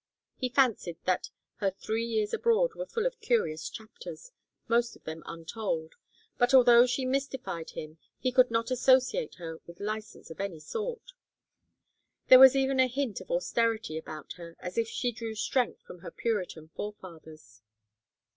He fancied that her three years abroad were full of curious chapters, most of them untold; but although she mystified him he could not associate her with license of any sort. There was even a hint of austerity about her, as if she drew strength from her Puritan forefathers.